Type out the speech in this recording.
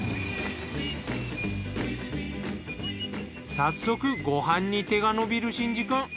早速ご飯に手が伸びる真志くん。